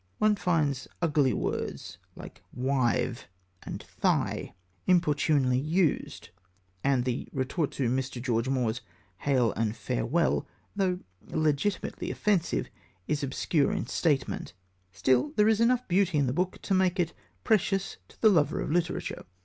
One finds ugly words like "wive" and "thigh" inopportunely used, and the retort to Mr. George Moore's Hail and Farewell, though legitimately offensive, is obscure in statement. Still, there is enough beauty in the book to make it precious to the lover of literature.